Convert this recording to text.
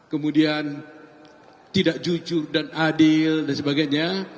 kemudian tidak jujur dan adil dan sebagainya